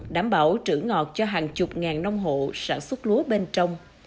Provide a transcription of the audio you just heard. đảm bảo trữ ngọt cho hàng chục ngàn nông hộ sản xuất lúa bên trong